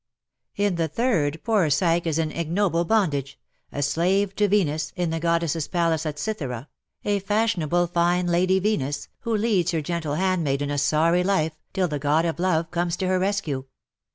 In the third, poor Psyche is in ignoble bondage — a slave to Yenus, in the goddess's Palace at Cythera — a fashionable, fine lady Venus, who leads her gentle handmaiden a sorry life, till the god of love comes to her rescue.